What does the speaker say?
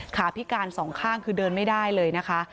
พิการสองข้างคือเดินไม่ได้เลยนะคะ